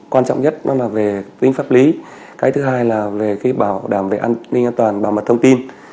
quan trọng nhất đó là về tính pháp lý cái thứ hai là về cái bảo đảm về an ninh an toàn bảo mật thông tin